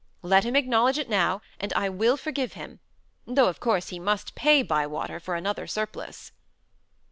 Let him acknowledge it now, and I will forgive him; though of course he must pay Bywater for another surplice."